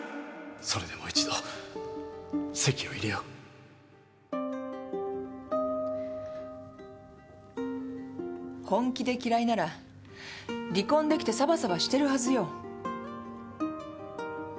それでもう一本気で嫌いなら離婚できてサバサバしてるはずよ。